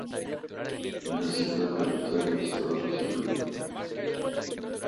La ciudad capital del estado recibe el mismo nombre: Colima.